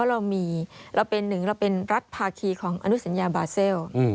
เราเป็น๑รัฐภาครีของอนุสัญญาบาเซล